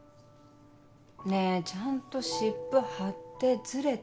ねぇちゃんと湿布貼ってズレた。